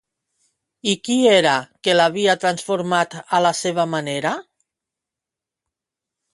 I qui era que l'havia transformat a la seva manera?